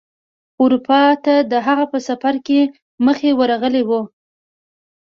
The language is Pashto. اروپا ته د هغه په سفر کې مخې ورغلی و.